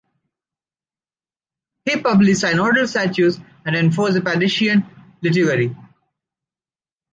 He published synodal statutes and enforced the Parisian liturgy.